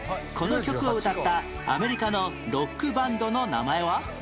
この曲を歌ったアメリカのロックバンドの名前は？